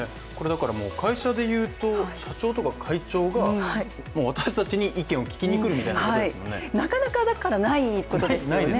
会社で言うと、社長とか会長が私たちに意見を聞きに来るみたいなことですよね。